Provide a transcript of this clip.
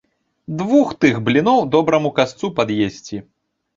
Двух тых бліноў добраму касцу пад'есці.